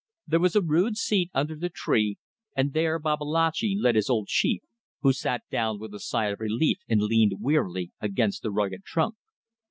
There was a rude seat under the tree, and there Babalatchi led his old chief, who sat down with a sigh of relief and leaned wearily against the rugged trunk.